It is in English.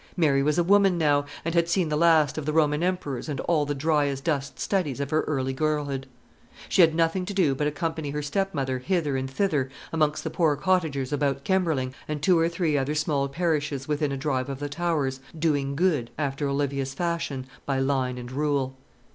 Mary was a woman now, and had seen the last of the Roman emperors and all the dry as dust studies of her early girlhood. She had nothing to do but accompany her stepmother hither and thither amongst the poor cottagers about Kemberling and two or three other small parishes within a drive of the Towers, "doing good," after Olivia's fashion, by line and rule.